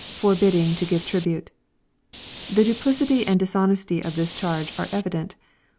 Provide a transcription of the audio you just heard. ..forbidding to give tribute.] The duplicity and dishonesty of this charge are evident.